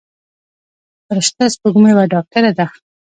فرشته سپوږمۍ یوه ډاکتره ده.